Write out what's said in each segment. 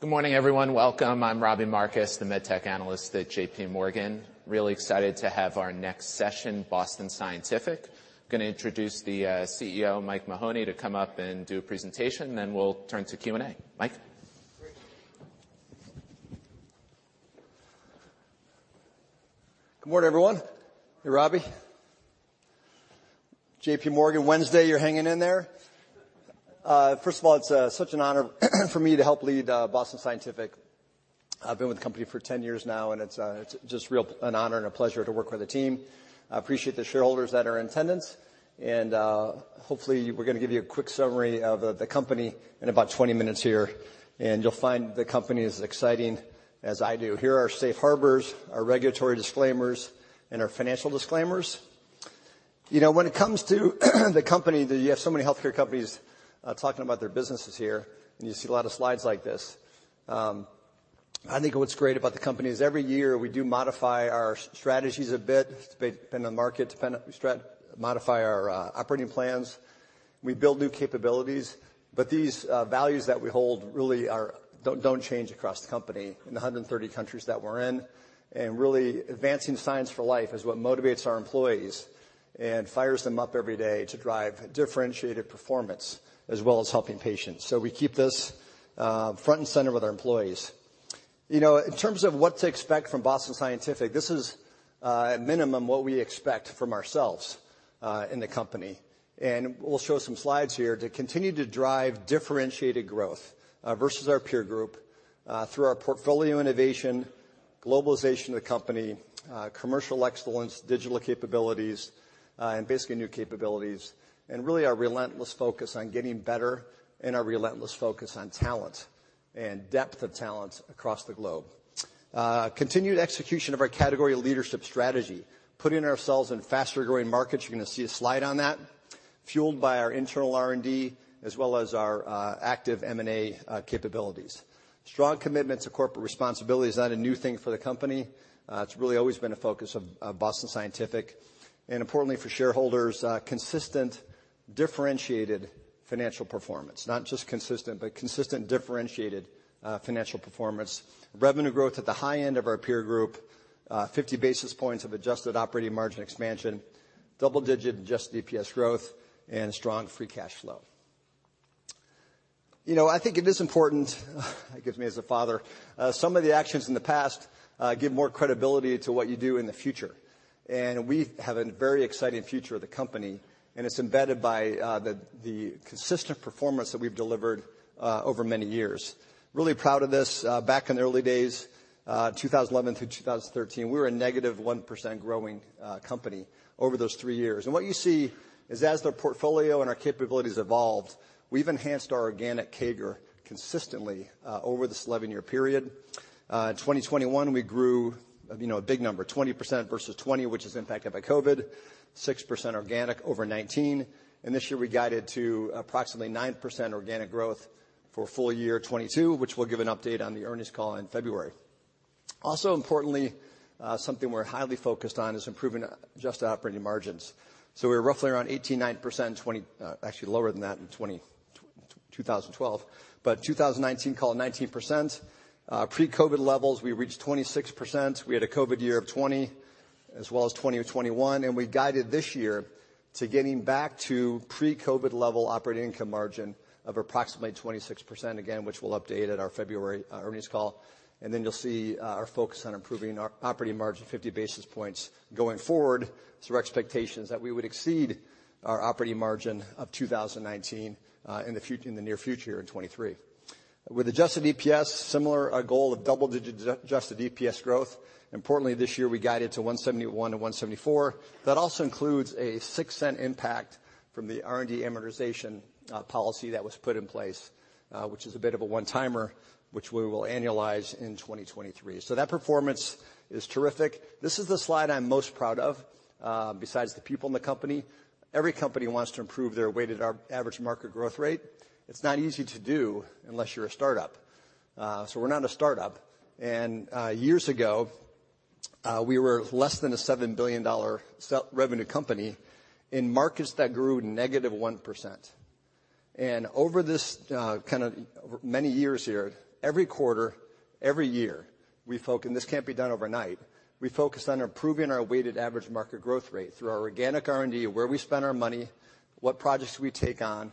Good morning, everyone. Welcome. I'm Robbie Marcus, the med tech analyst at J.P. Morgan. Really excited to have our next session, Boston Scientific. Gonna introduce the CEO, Mike Mahoney, to come up and do a presentation, then we'll turn to Q&A. Mike. Good morning, everyone. Hey, Robbie. J.P. Morgan, Wednesday, you're hanging in there. First of all, it's such an honor for me to help lead Boston Scientific. I've been with the company for 10 years now, and it's just an honor and a pleasure to work with the team. I appreciate the shareholders that are in attendance. Hopefully we're gonna give you a quick summary of the company in about 20 minutes here. You'll find the company as exciting as I do. Here are our safe harbors, our regulatory disclaimers, and our financial disclaimers. You know, when it comes to the company, that you have so many healthcare companies talking about their businesses here, you see a lot of slides like this. I think what's great about the company is every year we do modify our strategies a bit based depending on the market, modify our operating plans. We build new capabilities. These values that we hold really don't change across the company in the 130 countries that we're in. Really, advancing science for life is what motivates our employees and fires them up every day to drive differentiated performance as well as helping patients. We keep this front and center with our employees. You know, in terms of what to expect from Boston Scientific, this is at minimum what we expect from ourselves in the company. We'll show some slides here to continue to drive differentiated growth versus our peer group through our portfolio innovation, globalization of the company, commercial excellence, digital capabilities, and basically new capabilities. Really our relentless focus on getting better and our relentless focus on talent and depth of talent across the globe. Continued execution of our category leadership strategy, putting ourselves in faster-growing markets, you're going to see a slide on that, fueled by our internal R&D as well as our active M&A capabilities. Strong commitment to corporate responsibility is not a new thing for the company. It's really always been a focus of Boston Scientific. Importantly for shareholders, consistent differentiated financial performance. Not just consistent, but consistent differentiated financial performance. Revenue growth at the high end of our peer group, 50 basis points of adjusted operating margin expansion, double digit adjusted EPS growth, and strong free cash flow. You know, I think it is important, that gets me as a father, some of the actions in the past, give more credibility to what you do in the future. We have a very exciting future of the company, and it's embedded by the consistent performance that we've delivered over many years. Really proud of this. Back in the early days, 2011 through 2013, we were a -1% growing company over those three years. What you see is as the portfolio and our capabilities evolved, we've enhanced our organic CAGR consistently over this 11-year period. In 2021, we grew, you know, a big number, 20% versus 20, which is impacted by COVID. 6% organic over 19. This year we guided to approximately 9% organic growth for full year 22, which we'll give an update on the earnings call in February. Also importantly, something we're highly focused on is improving adjusted operating margins. We're roughly around 89%, actually lower than that in 2012. 2019, call it 19%. Pre-COVID levels, we reached 26%. We had a COVID year of 20 as well as 2021, we guided this year to getting back to pre-COVID level operating income margin of approximately 26%, again, which we'll update at our February earnings call. You'll see our focus on improving our operating margin 50 basis points going forward. Our expectation is that we would exceed our operating margin of 2019 in the near future, in 2023. With adjusted EPS, similar, a goal of double-digit adjusted EPS growth. Importantly, this year, we guided to 1.71 and 1.74. That also includes a 0.06 impact from the R&D amortization policy that was put in place, which is a bit of a one-timer, which we will annualize in 2023. That performance is terrific. This is the slide I'm most proud of, besides the people in the company. Every company wants to improve their weighted average market growth rate. It's not easy to do unless you're a start-up. We're not a start-up. Years ago, we were less than a $7 billion revenue company in markets that grew -1%. Over this kind of many years here, every quarter, every year, this can't be done overnight, we focused on improving our weighted average market growth rate through our organic R&D, where we spend our money, what projects we take on,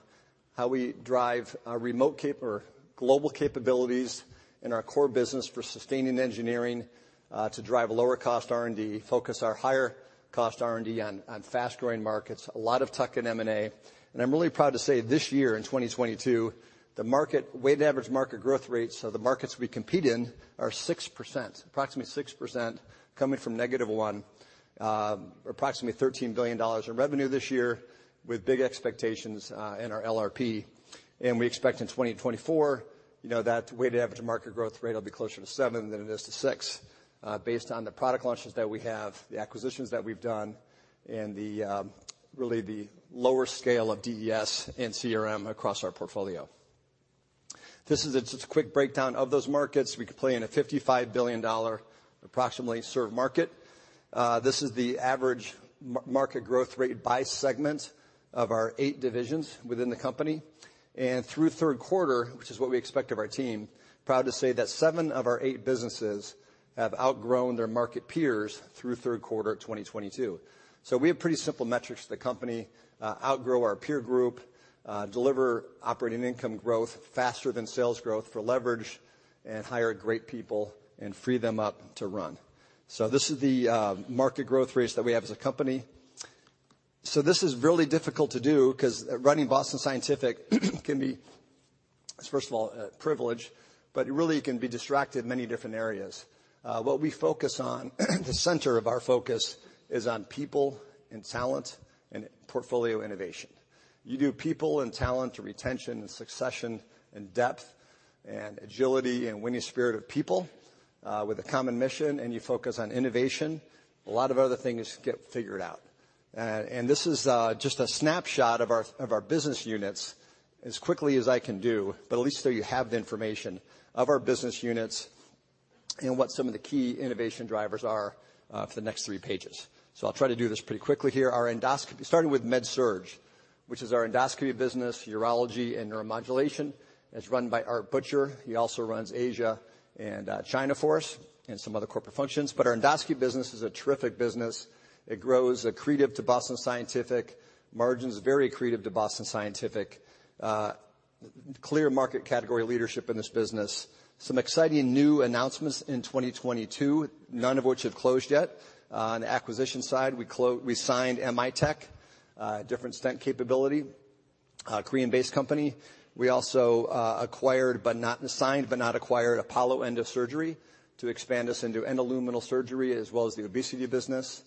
how we drive our remote or global capabilities in our core business for sustaining engineering, to drive a lower cost R&D, focus our higher cost R&D on fast-growing markets, a lot of tuck-in M&A. I'm really proud to say this year in 2022, the weighted average market growth rates of the markets we compete in are 6%, approximately 6% coming from -1%. Approximately $13 billion in revenue this year with big expectations in our LRP. We expect in 2024, you know, that weighted average market growth rate will be closer to seven than it is to six, based on the product launches that we have, the acquisitions that we've done, and really the lower scale of DES and CRM across our portfolio. This is a just quick breakdown of those markets. We could play in a $55 billion approximately served market. This is the average market growth rate by segment of our 8 divisions within the company. Through third quarter, which is what we expect of our team, proud to say that 7 of our eight businesses have outgrown their market peers through third quarter of 2022. We have pretty simple metrics at the company, outgrow our peer group, deliver operating income growth faster than sales growth for leverage, and hire great people and free them up to run. This is the market growth rates that we have as a company. This is really difficult to do 'cause running Boston Scientific can be. It's first of all a privilege, but you really can be distracted in many different areas. What we focus on, the center of our focus is on people and talent and portfolio innovation. You do people and talent to retention and succession and depth and agility and winning spirit of people, with a common mission, and you focus on innovation, a lot of other things get figured out. This is just a snapshot of our business units as quickly as I can do. At least there you have the information of our business units and what some of the key innovation drivers are for the next three pages. I'll try to do this pretty quickly here. Starting with MedSurg, which is our endoscopy business, urology and neuromodulation, and it's run by Art Butcher. He also runs Asia and China for us and some other corporate functions. Our endoscopy business is a terrific business. It grows accretive to Boston Scientific. Margins very accretive to Boston Scientific. Clear market category leadership in this business. Some exciting new announcements in 2022, none of which have closed yet. On the acquisition side, we signed M.I.Tech, different stent capability, a Korean-based company. We also signed but not acquired Apollo Endosurgery to expand us into endoluminal surgery, as well as the obesity business,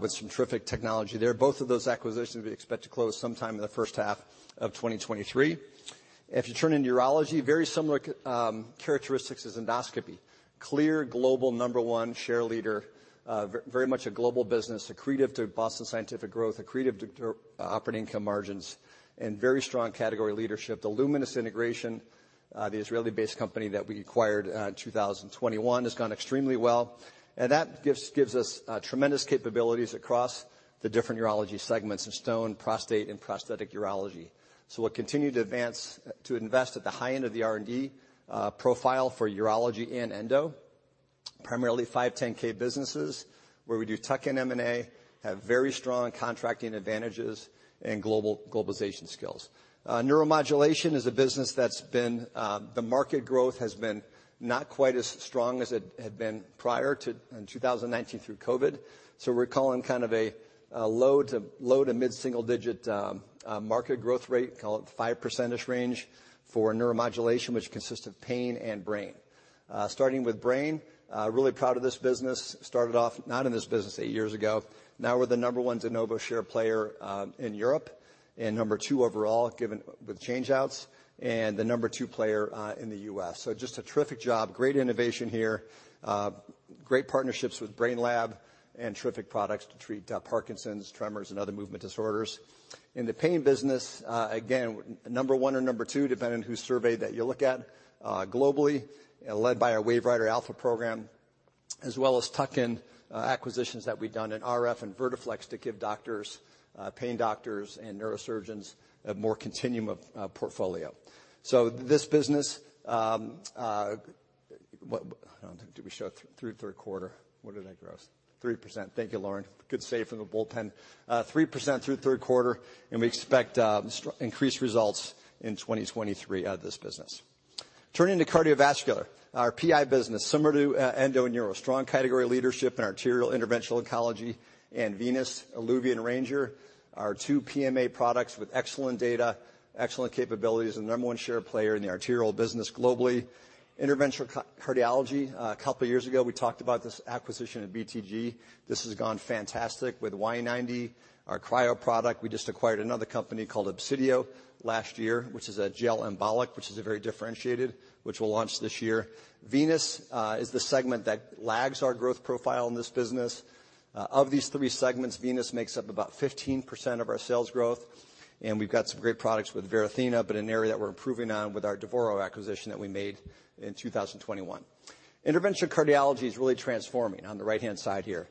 with some terrific technology there. Both of those acquisitions we expect to close sometime in the first half of 2023. If you turn to urology, very similar characteristics as endoscopy. Clear global number one share leader. Very much a global business accretive to Boston Scientific growth, accretive to operating income margins and very strong category leadership. The Lumenis integration, the Israeli-based company that we acquired in 2021, has gone extremely well. That gives us tremendous capabilities across the different urology segments in stone, prostate and prosthetic urology. We'll continue to advance, to invest at the high end of the R&D profile for urology and endo, primarily 510(k) businesses where we do tuck-in M&A, have very strong contracting advantages and globalization skills. Neuromodulation is a business that's been the market growth has been not quite as strong as it had been prior to in 2019 through COVID. We're calling kind of a low to mid-single digit market growth rate, call it 5% range for neuromodulation, which consists of pain and brain. Starting with brain, really proud of this business. Started off not in this business eight years ago. Now we're the number 1 de novo share player in Europe, and number two overall given with change outs and the number two player in the U.S. Just a terrific job, great innovation here. Great partnerships with BrainLab and terrific products to treat Parkinson's, tremors and other movement disorders. In the pain business, again, number one or number two, depending on whose survey that you look at, globally, led by our WaveWriter Alpha program, as well as tuck-in acquisitions that we've done in RF and Vertiflex to give doctors, pain doctors and neurosurgeons a more continuum of portfolio. This business, Did we show through third quarter? What did I gross? 3%. Thank you, Lauren. Good save from the bullpen. 3% through third quarter, and we expect increased results in 2023 out of this business. Turning to cardiovascular. Our PI business, similar to endo and neuro, strong category leadership in arterial interventional oncology and Venous, Eluvia Ranger, our two PMA products with excellent data, excellent capabilities, and the number one share player in the arterial business globally. Interventional cardiology. A couple of years ago, we talked about this acquisition of BTG. This has gone fantastic with Y-90, our cryo product. We just acquired another company called Obsidio last year, which is a gel embolic, which is a very differentiated, which we'll launch this year. Venous is the segment that lags our growth profile in this business. Of these three segments, Venous makes up about 15% of our sales growth, and we've got some great products with Varithena, but an area that we're improving on with our Devoro acquisition that we made in 2021. Interventional cardiology is really transforming on the right-hand side here.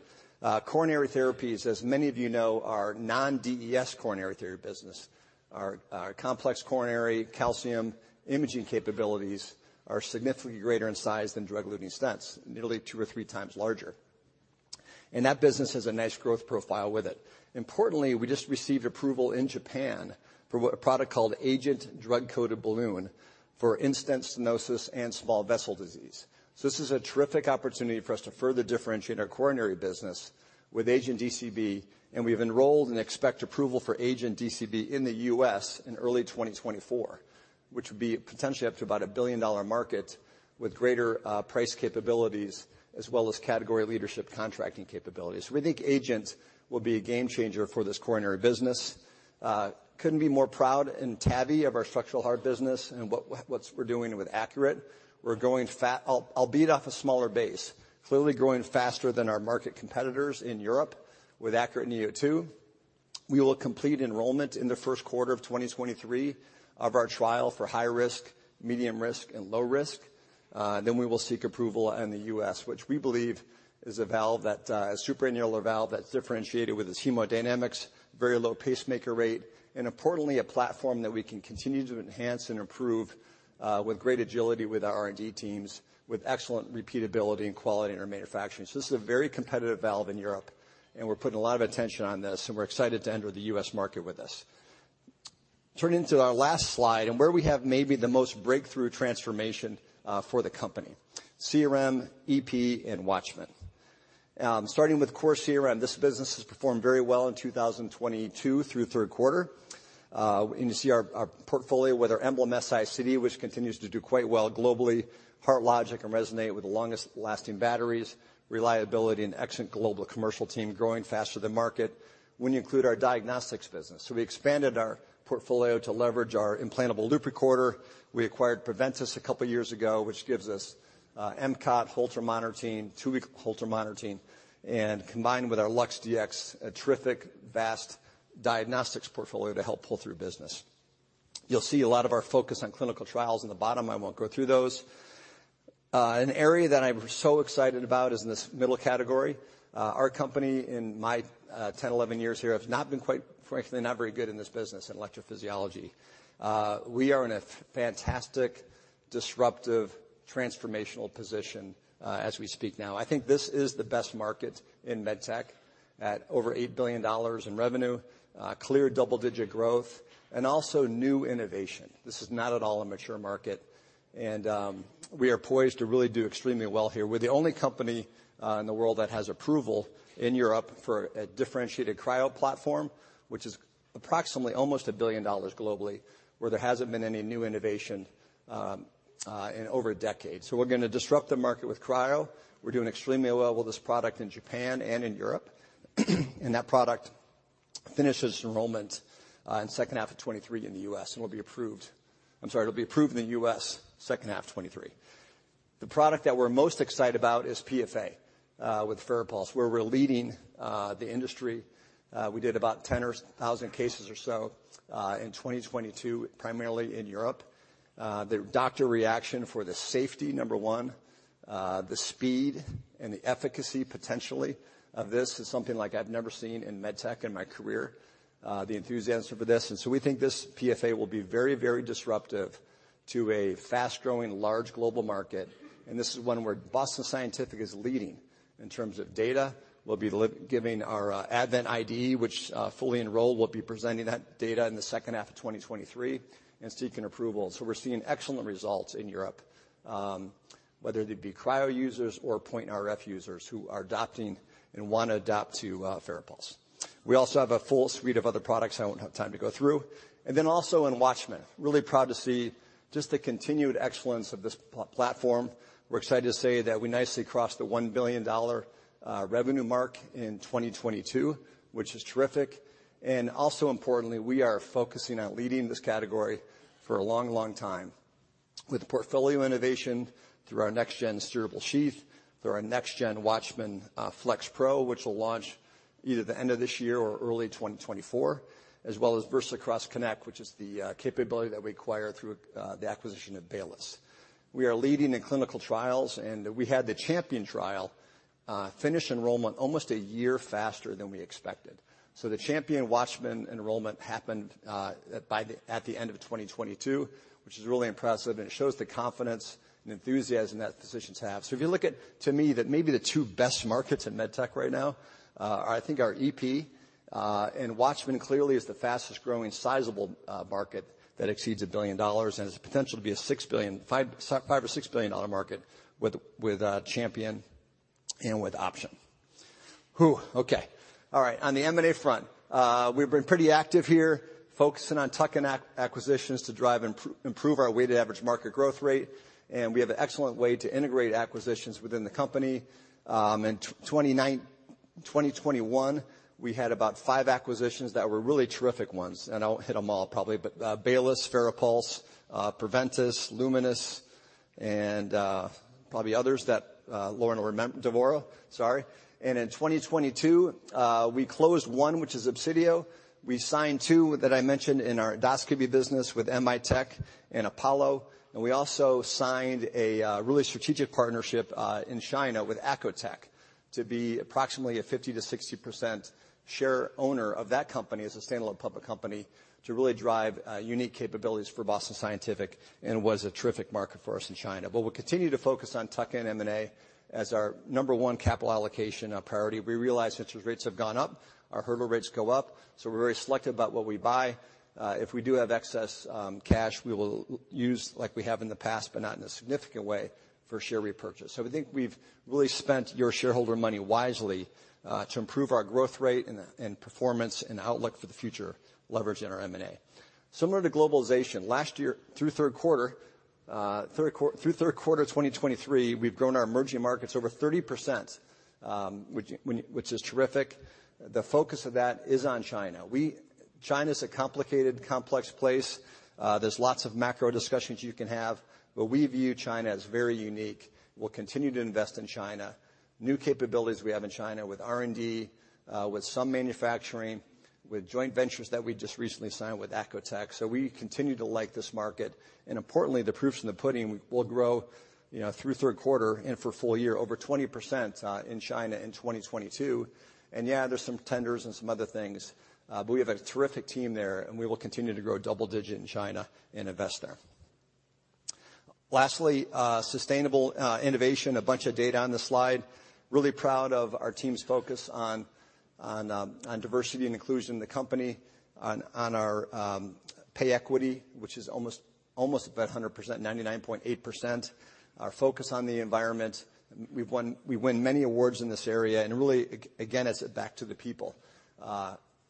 Coronary therapies, as many of you know, our non-DES coronary therapy business. Our complex coronary calcium imaging capabilities are significantly greater in size than drug-eluting stents, nearly two or three times larger. That business has a nice growth profile with it. Importantly, we just received approval in Japan for what a product called AGENT Drug-Coated Balloon for in-stent stenosis and small vessel disease. This is a terrific opportunity for us to further differentiate our coronary business with AGENT DCB, and we've enrolled and expect approval for AGENT DCB in the U.S. in early 2024, which would be potentially up to about a billion-dollar market with greater price capabilities as well as category leadership contracting capabilities. We think AGENTs will be a game changer for this coronary business. couldn't be more proud and happy of our structural heart business and what we're doing with ACURATE. We're growing, albeit off a smaller base, clearly growing faster than our market competitors in Europe with ACURATE neo2. We will complete enrollment in the 1st quarter of 2023 of our trial for high risk, medium risk, and low risk. We will seek approval in the U.S., which we believe is a valve that's a supra-annular valve that's differentiated with its hemodynamics, very low pacemaker rate, and importantly, a platform that we can continue to enhance and improve with great agility with our R&D teams, with excellent repeatability and quality in our manufacturing. This is a very competitive valve in Europe, and we're putting a lot of attention on this, and we're excited to enter the U.S. market with this. Turning to our last slide, where we have maybe the most breakthrough transformation for the company, CRM, EP, and WATCHMAN. Starting with Core CRM, this business has performed very well in 2022 through 3rd quarter. You see our portfolio with our EMBLEM S-ICD, which continues to do quite well globally. HeartLogic and RESONATE with the longest-lasting batteries, reliability, and excellent global commercial team growing faster than market. When you include our diagnostics business. We expanded our portfolio to leverage our implantable loop recorder. We acquired Preventice a couple years ago, which gives us MCOT, Holter monitoring, two week Holter monitoring, and combined with our LUX-Dx, a terrific, vast diagnostics portfolio to help pull through business. You'll see a lot of our focus on clinical trials in the bottom. I won't go through those. An area that I'm so excited about is in this middle category. Our company in my 10, 11 years here has not been quite, frankly, not very good in this business in electrophysiology. We are in a fantastic disruptive, transformational position as we speak now. I think this is the best market in med tech at over $8 billion in revenue, clear double-digit growth and also new innovation. This is not at all a mature market, and we are poised to really do extremely well here. We're the only company in the world that has approval in Europe for a differentiated cryo platform, which is approximately almost $1 billion globally, where there hasn't been any new innovation in over a decade. We're gonna disrupt the market with cryo. We're doing extremely well with this product in Japan and in Europe. That product finishes enrollment in second half of 2023 in the U.S. I'm sorry, it'll be approved in the U.S. second half 2023. The product that we're most excited about is PFA with FARAPULSE, where we're leading the industry. We did about 10 or thousand cases or so in 2022, primarily in Europe. The doctor reaction for the safety, number one, the speed and the efficacy potentially of this is something like I've never seen in medtech in my career, the enthusiasm for this. We think this PFA will be very, very disruptive to a fast-growing, large global market. This is one where Boston Scientific is leading in terms of data. We'll be giving our ADVENT ID, which fully enrolled. We'll be presenting that data in the second half of 2023 and seeking approval. We're seeing excellent results in Europe, whether they be cryo users or point RF users who are adopting and wanna adopt to FARAPULSE. We also have a full suite of other products I won't have time to go through. Also in WATCHMAN. Really proud to see just the continued excellence of this platform. We're excited to say that we nicely crossed the $1 billion revenue mark in 2022, which is terrific. Also importantly, we are focusing on leading this category for a long, long time with portfolio innovation through our next gen steerable sheath, through our next gen WATCHMAN FLX Pro, which will launch either the end of this year or early 2024, as well as VersaCross Connect, which is the capability that we acquired through the acquisition of Baylis Medical. We are leading in clinical trials, and we had the CHAMPION trial finish enrollment almost one year faster than we expected. The CHAMPION WATCHMAN enrollment happened at the end of 2022, which is really impressive, and it shows the confidence and enthusiasm that physicians have. If you look at, to me, that maybe the two best markets in medtech right now, are I think our EP, and WATCHMAN clearly is the fastest-growing sizable market that exceeds $1 billion and has the potential to be a 5 billion or 6 billion market with CHAMPION-AF and with Option. Okay. All right. On the M&A front, we've been pretty active here, focusing on tuck-in acquisitions to drive, improve our weighted average market growth rate, and we have an excellent way to integrate acquisitions within the company. In 2021, we had about five acquisitions that were really terrific ones, and I won't hit them all probably, but Baylis Medical, FARAPULSE, Preventice Solutions, Lumenis, and probably others that Loren will Devoro Medical, sorry. In 2022, we closed one, which is Obsidio. We signed two that I mentioned in our endoscopy business with M.I.Tech and Apollo. We also signed a really strategic partnership in China with Acotec to be approximately a 50%-60% share owner of that company as a standalone public company to really drive unique capabilities for Boston Scientific and was a terrific market for us in China. We'll continue to focus on tuck-in M&A as our number one capital allocation priority. We realize interest rates have gone up. Our hurdle rates go up. We're very selective about what we buy. If we do have excess cash, we will use like we have in the past, but not in a significant way for share repurchase. I think we've really spent your shareholder money wisely to improve our growth rate and performance and outlook for the future leverage in our M&A. Similar to globalization, last year through third quarter, through third quarter 2023, we've grown our emerging markets over 30%, which is terrific. The focus of that is on China. China's a complicated, complex place. There's lots of macro discussions you can have, but we view China as very unique. We'll continue to invest in China. New capabilities we have in China with R&D, with some manufacturing, with joint ventures that we just recently signed with Acotec. We continue to like this market. Importantly, the proof's in the pudding. We'll grow, you know, through third quarter and for full year over 20% in China in 2022. Yeah, there's some tenders and some other things, but we have a terrific team there, and we will continue to grow double-digit in China and invest there. Lastly, sustainable innovation, a bunch of data on the slide. Really proud of our team's focus on diversity and inclusion in the company, on our pay equity, which is almost about 100%, 99.8%. Our focus on the environment. We win many awards in this area, really again, it's back to the people.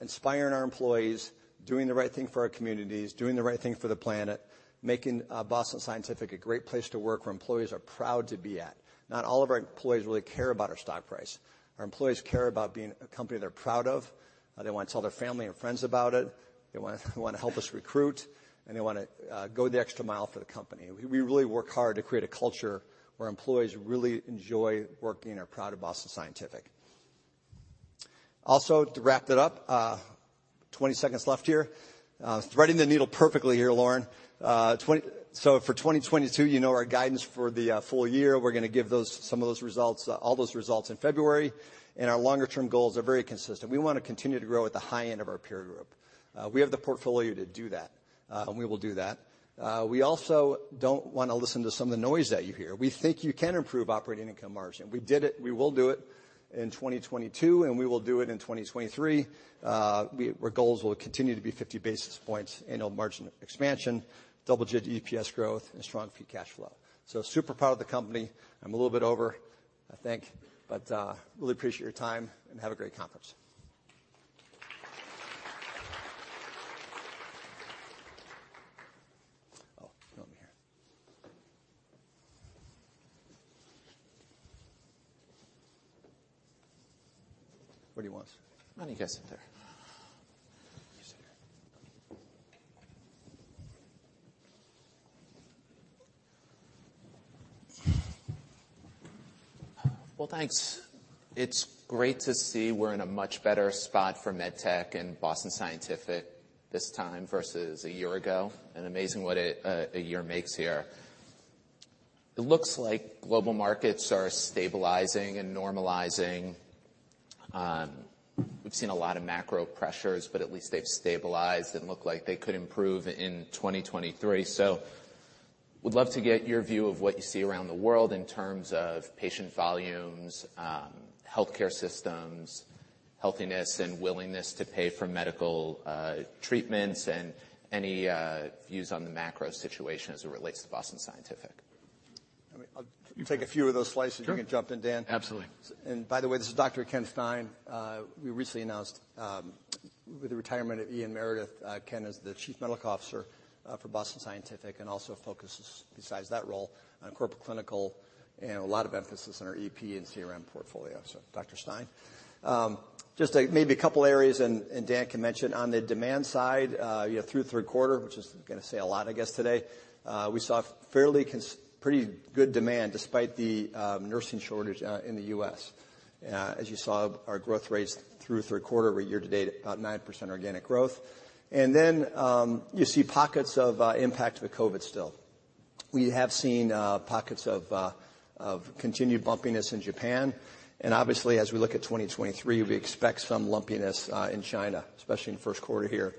Inspiring our employees, doing the right thing for our communities, doing the right thing for the planet, making Boston Scientific a great place to work, where employees are proud to be at. Not all of our employees really care about our stock price. Our employees care about being a company they're proud of, they wanna tell their family and friends about it, they wanna help us recruit, and they wanna go the extra mile for the company. We really work hard to create a culture where employees really enjoy working and are proud of Boston Scientific. To wrap it up, 20 seconds left here. Threading the needle perfectly here, Lauren. For 2022, you know our guidance for the full year. We're gonna give all those results in February. Our longer term goals are very consistent. We wanna continue to grow at the high end of our peer group. We have the portfolio to do that, and we will do that. We also don't wanna listen to some of the noise that you hear. We think you can improve operating income margin. We did it, we will do it in 2022, and we will do it in 2023. Our goals will continue to be 50 basis points annual margin expansion, double-digit EPS growth, and strong free cash flow. Super proud of the company. I'm a little bit over, I think, but really appreciate your time, and have a great conference. You want me here. Where do you want us? Why don't you guys sit there? You sit here. Well, thanks. It's great to see we're in a much better spot for med tech and Boston Scientific this time versus a year ago, and amazing what a year makes here. It looks like global markets are stabilizing and normalizing. We've seen a lot of macro pressures, but at least they've stabilized and look like they could improve in 2023. Would love to get your view of what you see around the world in terms of patient volumes, healthcare systems, healthiness and willingness to pay for medical treatments, and any views on the macro situation as it relates to Boston Scientific. I mean, I'll take a few of those slices. Sure. You can jump in, Dan. Absolutely. By the way, this is Dr. Ken Stein. We recently announced, with the retirement of Ian Meredith, Ken is the chief medical officer for Boston Scientific and also focuses, besides that role, on corporate clinical and a lot of emphasis on our EP and CRM portfolio. Dr. Stein. Just, maybe two areas, and Dan can mention. On the demand side, you know, through third quarter, which is gonna say a lot, I guess, today, we saw fairly pretty good demand despite the nursing shortage in the U.S. As you saw, our growth rates through third quarter were year-to-date about 9% organic growth. You see pockets of impact of the COVID still. We have seen pockets of continued bumpiness in Japan, obviously, as we look at 2023, we expect some lumpiness in China, especially in the first quarter here,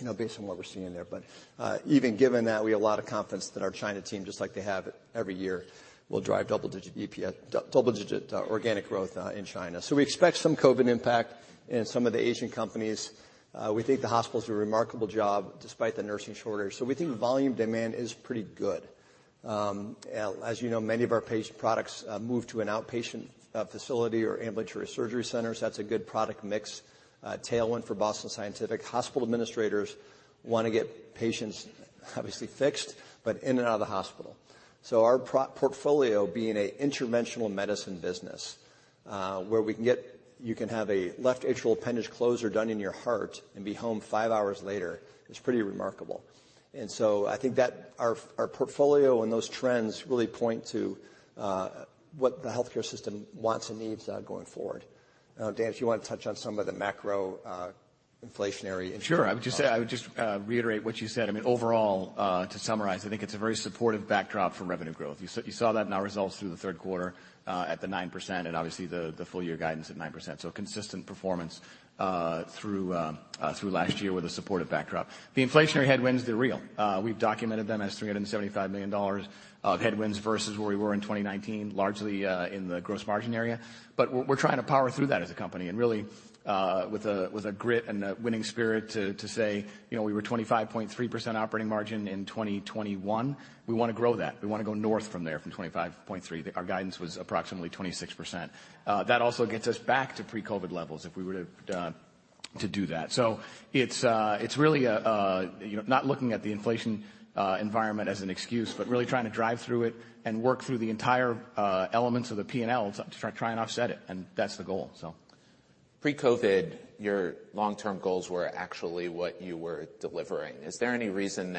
you know, based on what we're seeing there. Even given that, we have a lot of confidence that our China team, just like they have every year, will drive double-digit EPS, double-digit organic growth in China. We expect some COVID impact in some of the Asian companies. We think the hospitals do a remarkable job despite the nursing shortage. We think volume demand is pretty good. As you know, many of our products move to an outpatient facility or ambulatory surgery centers. That's a good product mix tailwind for Boston Scientific. Hospital administrators wanna get patients obviously fixed, but in and out of the hospital. Our portfolio being an interventional medicine business, where you can have a left atrial appendage closure done in your heart and be home five hours later is pretty remarkable. I think that our portfolio and those trends really point to what the healthcare system wants and needs going forward. Dan, if you wanna touch on some of the macro, inflationary insurance... Sure. I would just say, reiterate what you said. I mean overall, to summarize, I think it's a very supportive backdrop for revenue growth. You saw that in our results through the third quarter, at the 9% and obviously the full year guidance at 9%. Consistent performance through last year with a supportive backdrop. The inflationary headwinds, they're real. We've documented them as $375 million of headwinds versus where we were in 2019, largely in the gross margin area. We're trying to power through that as a company and really with a grit and a winning spirit to say, you know, we were 25.3% operating margin in 2021. We wanna grow that. We wanna go north from there, from 25.3. Our guidance was approximately 26%. That also gets us back to pre-COVID levels if we were to do that. It's really, you know, not looking at the inflation environment as an excuse, but really trying to drive through it and work through the entire elements of the P&L to try and offset it, and that's the goal. Pre-COVID, your long-term goals were actually what you were delivering. Is there any reason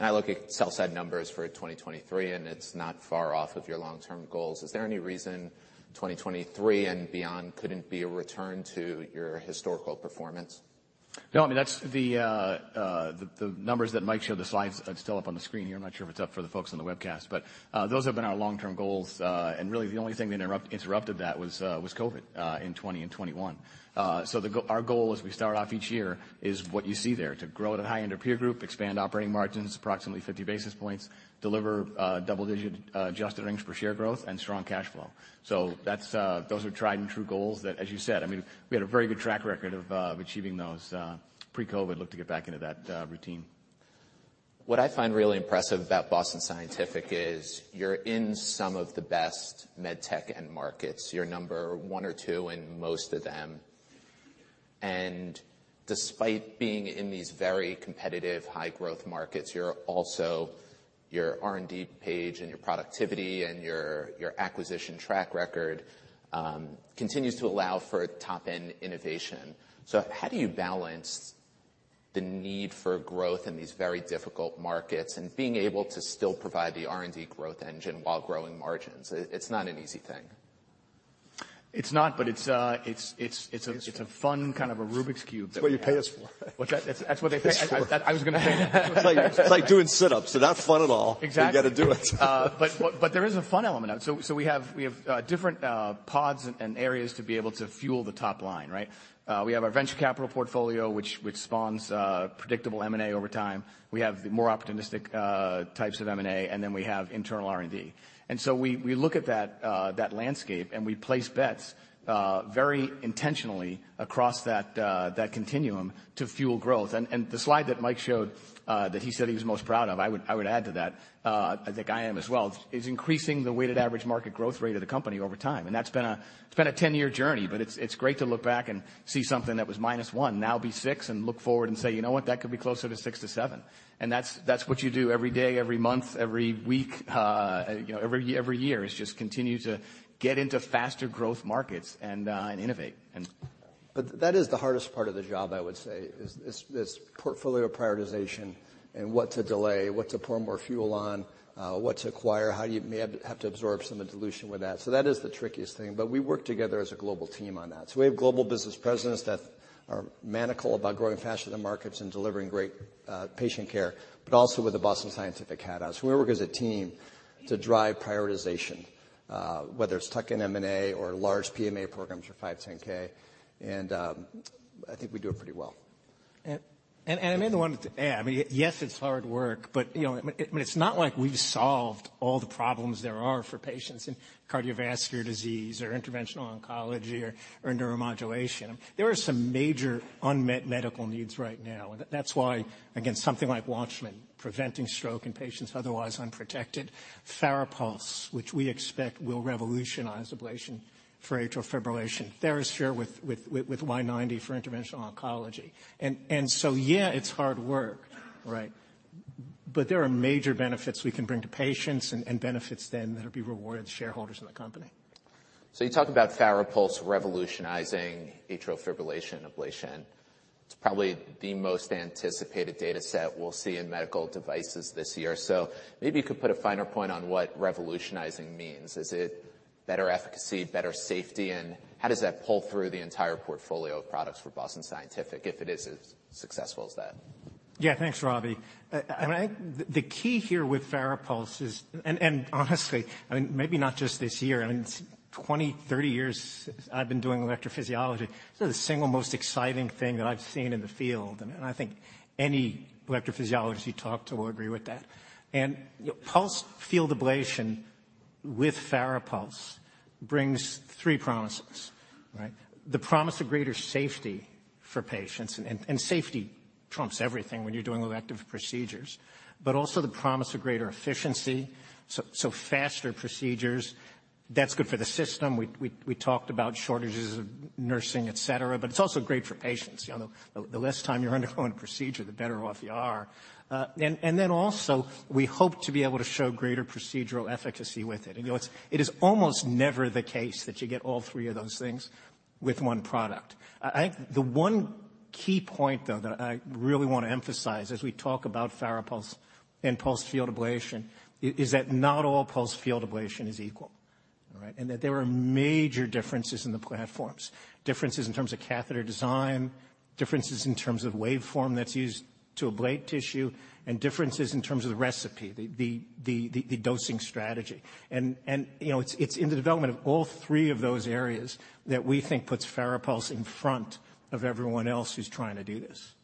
I look at sell-side numbers for 2023, and it's not far off of your long-term goals? Is there any reason 2023 and beyond couldn't be a return to your historical performance? No, I mean, that's the numbers that Mike showed the slides are still up on the screen here. I'm not sure if it's up for the folks on the webcast. Those have been our long-term goals. Really the only thing that interrupted that was COVID in 2020 and 2021. Our goal as we start off each year is what you see there, to grow at a high-end peer group, expand operating margins approximately 50 basis points, deliver double-digit adjusted earnings per share growth and strong cash flow. That's those are tried and true goals that, as you said, I mean, we had a very good track record of achieving those pre-COVID. Look to get back into that routine. What I find really impressive about Boston Scientific is you're in some of the best med tech end markets. You're number one or two in most of them. Despite being in these very competitive, high-growth markets, you're also your R&D page and your productivity and your acquisition track record continues to allow for top-end innovation. How do you balance the need for growth in these very difficult markets and being able to still provide the R&D growth engine while growing margins? It's not an easy thing. It's not, but it's a fun kind of a Rubik's Cube. That's what you pay us for. What's that? That's what they pay... That's what. I was gonna say that. It's like doing sit-ups. They're not fun at all. Exactly. You gotta do it. There is a fun element. We have different pods and areas to be able to fuel the top line, right? We have our venture capital portfolio, which spawns predictable M&A over time. We have the more opportunistic types of M&A, and then we have internal R&D. We look at that landscape, and we place bets very intentionally across that continuum to fuel growth. The slide that Mike showed, that he said he was most proud of, I would add to that, I think I am as well, is increasing the weighted average market growth rate of the company over time. That's been a... It's been a 10-year journey, but it's great to look back and see something that was -1, now be six, and look forward and say, "You know what? That could be closer to sixcloser to seven than six." That's what you do every day, every month, every week, you know, every year, is just continue to get into faster growth markets and innovate and- That is the hardest part of the job, I would say, is this portfolio prioritization and what to delay, what to pour more fuel on, what to acquire, how you may have to absorb some of the dilution with that. That is the trickiest thing. We work together as a global team on that. We have global business presidents that are maniacal about growing faster than markets and delivering great patient care, but also with the Boston Scientific hat on. We work as a team to drive prioritization, whether it's tuck-in M&A or large PMA programs for 510(k). I think we do it pretty well. I may want to add, I mean, yes, it's hard work, but, you know, I mean, it's not like we've solved all the problems there are for patients in cardiovascular disease or interventional oncology or neuromodulation. There are some major unmet medical needs right now. That's why, again, something like WATCHMAN, preventing stroke in patients otherwise unprotected. FARAPULSE, which we expect will revolutionize ablation for atrial fibrillation. TheraSphere with Y-90 for interventional oncology. Yeah, it's hard work, right? There are major benefits we can bring to patients and benefits then that'll be rewarded to shareholders in the company. You talk about FARAPULSE revolutionizing atrial fibrillation ablation. It's probably the most anticipated data set we'll see in medical devices this year. Maybe you could put a finer point on what revolutionizing means. Is it better efficacy, better safety? How does that pull through the entire portfolio of products for Boston Scientific if it is as successful as that? Thanks, Robbie. The key here with FARAPULSE is, honestly, I mean, maybe not just this year, I mean, 20, 30 years I've been doing electrophysiology. This is the single most exciting thing that I've seen in the field, and I think any electrophysiologist you talk to will agree with that. Pulsed-field ablation with FARAPULSE brings three promises, right? The promise of greater safety for patients, and safety trumps everything when you're doing elective procedures, but also the promise of greater efficiency, so faster procedures. That's good for the system. We talked about shortages of nursing, et cetera, but it's also great for patients. You know, the less time you're undergoing a procedure, the better off you are. Then also, we hope to be able to show greater procedural efficacy with it. You know, it is almost never the case that you get all three of those things with one product. I think the one key point, though, that I really wanna emphasize as we talk about FARAPULSE and pulsed-field ablation is that not all pulsed-field ablation is equal. All right? That there are major differences in the platforms, differences in terms of catheter design, differences in terms of waveform that's used to ablate tissue, and differences in terms of the recipe, the dosing strategy. You know, it's in the development of all three of those areas that we think puts FARAPULSE in front of everyone else who's trying to do this.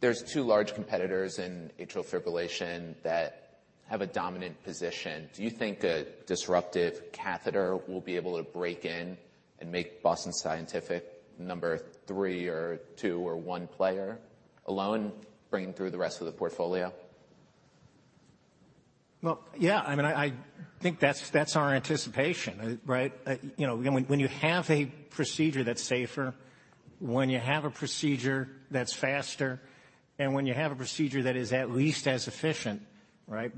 There's two large competitors in atrial fibrillation that have a dominant position. Do you think a disruptive catheter will be able to break in and make Boston Scientific number three or two or one player alone, bringing through the rest of the portfolio? Well, yeah, I mean, I think that's our anticipation, right? You know, when you have a procedure that's safer, when you have a procedure that's faster, and when you have a procedure that is at least as efficient. Right?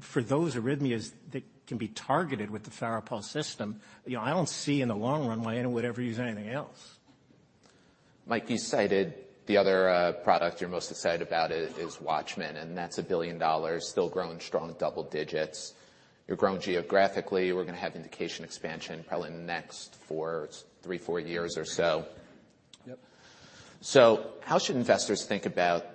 For those arrhythmias that can be targeted with the FARAPULSE system, you know, I don't see in the long run why anyone would ever use anything else. Mike, you cited the other product you're most excited about is WATCHMAN, and that's $1 billion, still growing strong double digits. You're growing geographically. We're gonna have indication expansion probably in the next three, four years or so. Yep. How should investors think about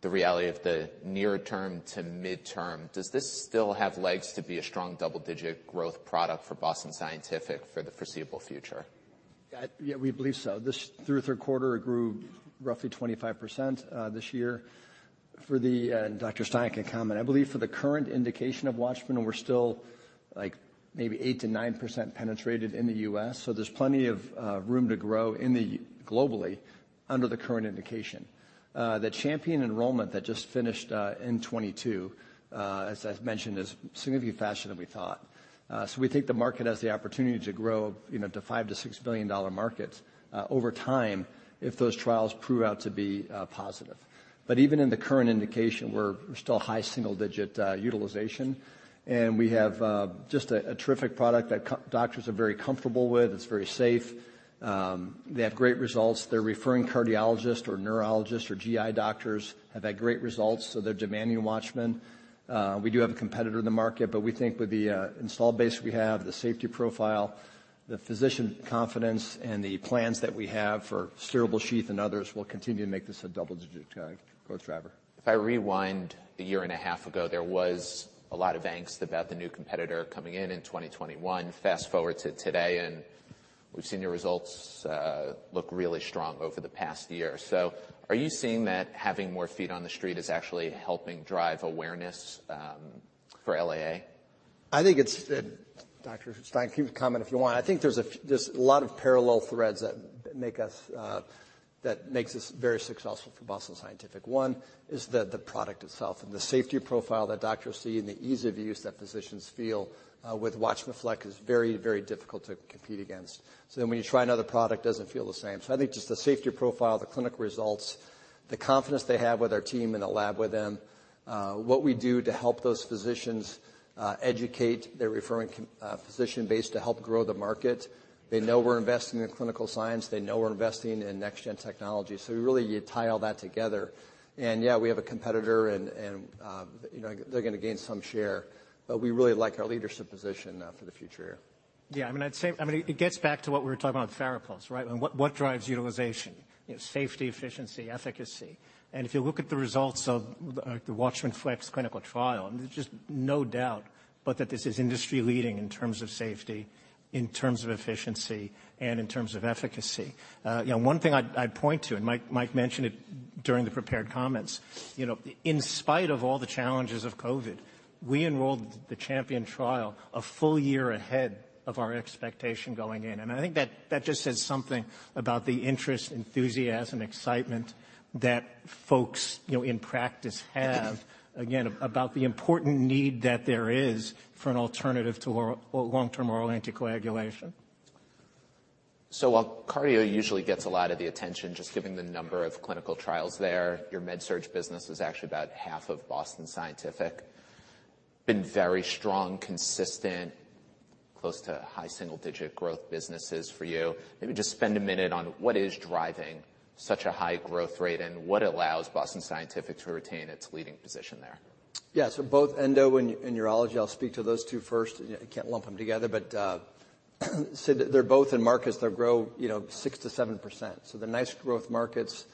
the reality of the near term to midterm? Does this still have legs to be a strong double-digit growth product for Boston Scientific for the foreseeable future? Yeah, we believe so. Through the third quarter, it grew roughly 25% this year. Dr. Stein can comment. I believe for the current indication of WATCHMAN, we're still, like, maybe 8%-9% penetrated in the U.S. There's plenty of room to grow globally under the current indication. The CHAMPION enrollment that just finished in 2022, as I've mentioned, is significantly faster than we thought. We think the market has the opportunity to grow, you know, to 5 billion-$6 billion markets over time if those trials prove out to be positive. Even in the current indication, we're still high single digit utilization. We have just a terrific product that doctors are very comfortable with. It's very safe. They have great results. They're referring cardiologists or neurologists or GI doctors have had great results, so they're demanding WATCHMAN. We do have a competitor in the market, but we think with the install base we have, the safety profile, the physician confidence, and the plans that we have for steerable sheath and others will continue to make this a double-digit growth driver. Rewind a year and a half ago, there was a lot of angst about the new competitor coming in in 2021. Fast-forward to today, we've seen your results look really strong over the past year. Are you seeing that having more feet on the street is actually helping drive awareness for LAA? I think it's. Dr. Stein, you can comment if you want. I think there's a lot of parallel threads that make us, that makes this very successful for Boston Scientific. One is the product itself and the safety profile that doctors see and the ease of use that physicians feel with WATCHMAN FLX is very difficult to compete against. When you try another product, it doesn't feel the same. I think just the safety profile, the clinical results, the confidence they have with our team in the lab with them, what we do to help those physicians educate their referring physician base to help grow the market. They know we're investing in clinical science. They know we're investing in next-gen technology. We really tie all that together. Yeah, we have a competitor and, you know, they're gonna gain some share, but we really like our leadership position for the future here. Yeah, I mean, I'd say, I mean, it gets back to what we were talking about with FARAPULSE, right? What drives utilization? You know, safety, efficiency, efficacy. If you look at the results of the WATCHMAN FLX clinical trial, there's just no doubt but that this is industry-leading in terms of safety, in terms of efficiency, and in terms of efficacy. You know, one thing I'd point to, Mike mentioned it during the prepared comments, you know, in spite of all the challenges of COVID, we enrolled the CHAMPION-AF trial a full year ahead of our expectation going in. I think that just says something about the interest, enthusiasm, excitement that folks, you know, in practice have, again, about the important need that there is for an alternative to long-term oral anticoagulation. While cardio usually gets a lot of the attention just given the number of clinical trials there, your med surge business is actually about half of Boston Scientific. Been very strong, consistent, close to high single-digit growth businesses for you. Maybe just spend a minute on what is driving such a high growth rate and what allows Boston Scientific to retain its leading position there. Both endo and urology, I'll speak to those two first. You know, I can't lump them together, but say that they're both in markets that grow, you know, 6% to 7%, so they're nice growth markets.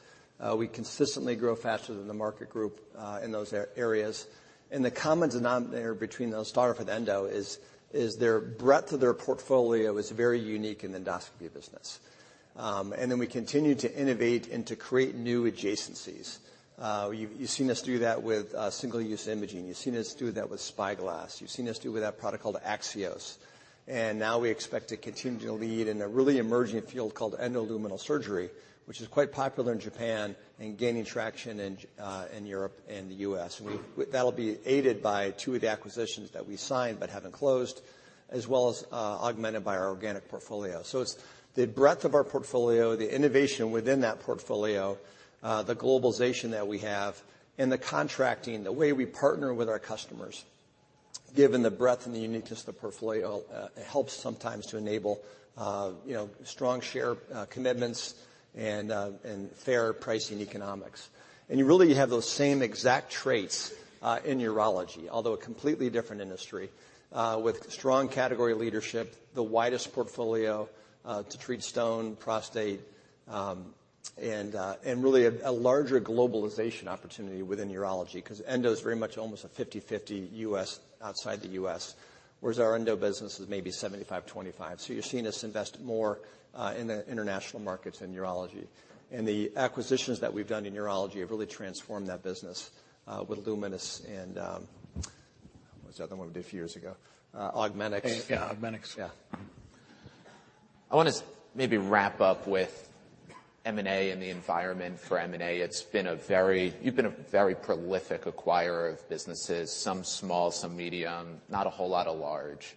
We consistently grow faster than the market group in those areas. The common denominator between those, starting with endo, is their breadth of their portfolio is very unique in the endoscopy business. We continue to innovate and to create new adjacencies. You've seen us do that with single-use imaging. You've seen us do that with SpyGlass. You've seen us do with that product called AXIOS. Now we expect to continue to lead in a really emerging field called endoluminal surgery, which is quite popular in Japan and gaining traction in Europe and the US. That'll be aided by two of the acquisitions that we signed but haven't closed, as well as, augmented by our organic portfolio. It's the breadth of our portfolio, the innovation within that portfolio, the globalization that we have, and the contracting, the way we partner with our customers, given the breadth and the uniqueness of the portfolio, helps sometimes to enable, you know, strong share commitments and fair pricing economics. You really have those same exact traits in urology, although a completely different industry, with strong category leadership, the widest portfolio, to treat stone, prostate, and really a larger globalization opportunity within urology 'cause endo is very much almost a 50/50 U.S., outside the U.S., whereas our endo business is maybe 75/25. You're seeing us invest more in the international markets in urology. The acquisitions that we've done in urology have really transformed that business with Lumenis and what was the other one we did a few years ago? Augmenix. Yeah, Augmenix. Yeah. I want to maybe wrap up with M&A and the environment for M&A. It's been a very prolific acquirer of businesses, some small, some medium, not a whole lot of large.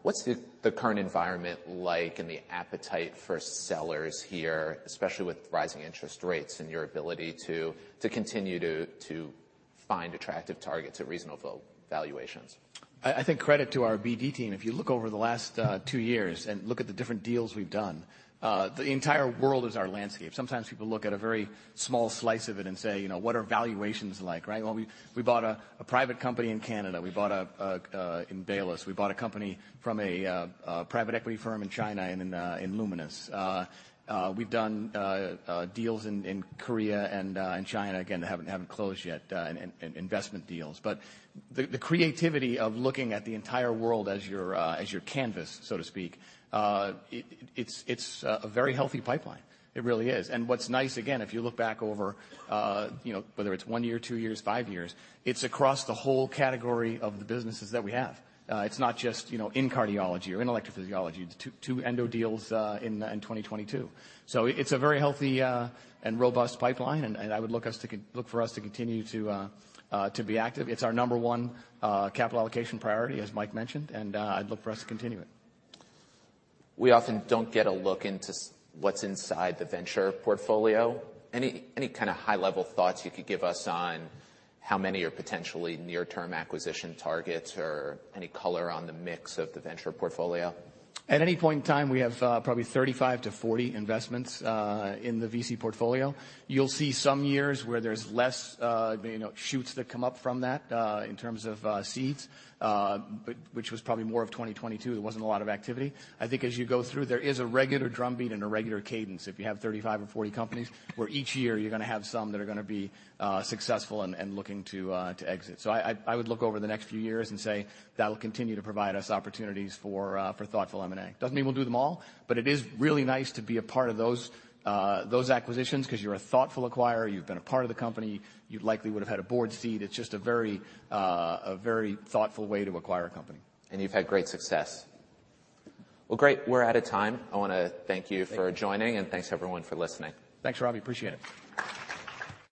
What's the current environment like and the appetite for sellers here, especially with rising interest rates and your ability to continue to find attractive targets at reasonable valuations? I think credit to our BD team. If you look over the last two years and look at the different deals we've done, the entire world is our landscape. Sometimes people look at a very small slice of it and say, you know, "What are valuations like?" Right? Well, we bought a private company in Canada. We bought a in Baylis Medical. We bought a company from a private equity firm in China in Lumenis. We've done deals in Korea and China, again, that haven't closed yet, in investment deals. The creativity of looking at the entire world as your as your canvas, so to speak, it's a very healthy pipeline. It really is. What's nice, again, if you look back over, you know, whether it's one year, two years, five years, it's across the whole category of the businesses that we have. It's not just, you know, in cardiology or in electrophysiology. Two endo deals, in 2022. It's a very healthy and robust pipeline, and I would look for us to continue to be active. It's our number one capital allocation priority, as Mike mentioned, and I'd look for us to continue it. We often don't get a look into what's inside the venture portfolio. Any kind of high level thoughts you could give us on how many are potentially near-term acquisition targets or any color on the mix of the venture portfolio? At any point in time, we have probably 35-40 investments in the VC portfolio. You'll see some years where there's less, you know, shoots that come up from that in terms of seeds, but which was probably more of 2022. There wasn't a lot of activity. I think as you go through, there is a regular drumbeat and a regular cadence. If you have 35 or 40 companies, where each year you're gonna have some that are gonna be successful and looking to exit. I would look over the next few years and say that'll continue to provide us opportunities for thoughtful M&A. Doesn't mean we'll do them all, but it is really nice to be a part of those acquisitions 'cause you're a thoughtful acquirer, you've been a part of the company, you likely would've had a board seat. It's just a very, a very thoughtful way to acquire a company. You've had great success. Well, great. We're out of time. I wanna thank you for joining. Thank you. Thanks everyone for listening. Thanks, Robbie. Appreciate it.